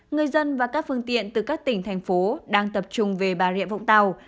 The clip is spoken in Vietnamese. người dân và các phương tiện từ các tỉnh thành phố đang tập trung về bà rịa vũng tàu